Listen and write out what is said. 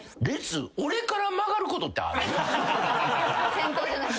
先頭じゃなくて。